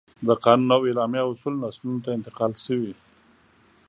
د قانون او اعلامیه اصول نسلونو ته انتقال شوي.